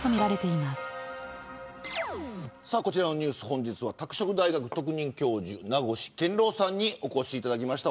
本日は拓殖大学特任教授名越健郎さんにお越しいただきました。